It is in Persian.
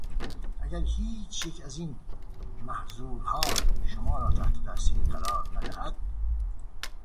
اگر هیچیک از این محضورها شما را تحت تاثیر قرار ندهد